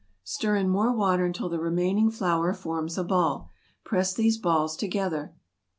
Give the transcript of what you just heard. Stir in more water until the remaining flour forms a ball. Press these balls together.